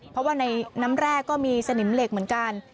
เพราะว่าในน้ำแร่ก็มีสนิมเหล็กเหมือนกัน